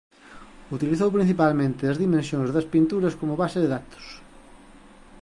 Utilizou principalmente as dimensións das pinturas como base de datos.